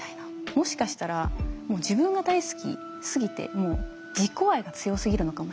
もしかしたらもう自分が大好きすぎてもう自己愛が強すぎるのかもしれない。